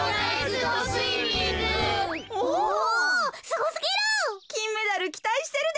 すごすぎる。